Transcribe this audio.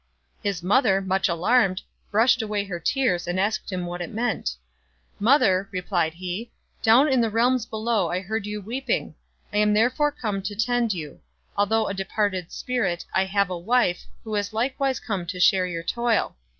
His mother, much alarmed, brushed away her tears, and asked him what it meant. " Mother," replied he, " down in the realms below I heard you weeping. I am therefore come to tend you. Although a departed spirit, I have a wife, who has like wise come to share your toil.